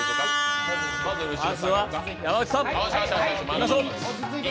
まずは山内さん、いきましょう。